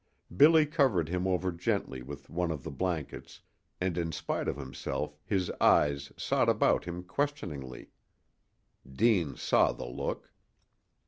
Billy covered him over gently with one of the blankets, and in spite of himself his eyes sought about him questioningly. Deane saw the look.